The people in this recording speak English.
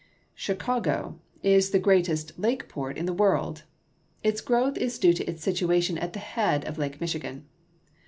Chicago is the greatest lake port in the world. Its growth is due to its situation at the head of Lake Michigan.